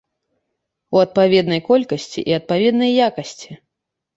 У адпаведнай колькасці і адпаведнай якасці.